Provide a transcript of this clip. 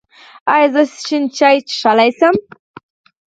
ایا زه شین چای څښلی شم؟